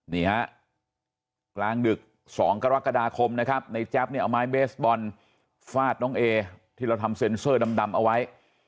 นี่ฮะกลางดึก๒กรกฎาคมนะครับในแจ๊บเนี่ยเอาไม้เบสบอลฟาดน้องเอที่เราทำเซ็นเซอร์ดำเอาไว้